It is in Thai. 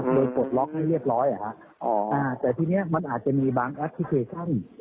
โดยปลดล็อกให้เรียบร้อยแต่ทีนี้มันอาจจะมีบางแอปพลิเคชัน